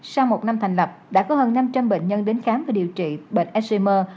sau một năm thành lập đã có hơn năm trăm linh bệnh nhân đến khám và điều trị bệnh eximer